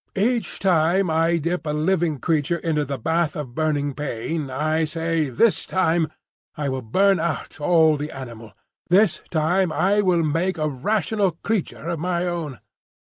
Each time I dip a living creature into the bath of burning pain, I say, 'This time I will burn out all the animal; this time I will make a rational creature of my own!